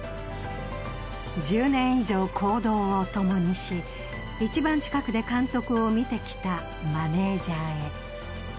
１０年以上行動を共にし一番近くで監督を見てきたマネージャーへ。